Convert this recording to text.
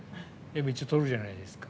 一応、取るじゃないですか。